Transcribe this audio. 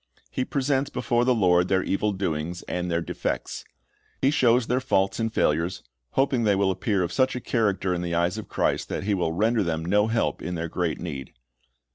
He presents before the Lord their evil doings and their defects. He shows their faults and failures, hoping they will appear of such a character in the eyes of Christ that Pie will render them no help in their great need.